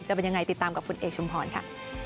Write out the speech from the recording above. จะเป็นยังไงติดตามกับคุณเอกชุมพรค่ะ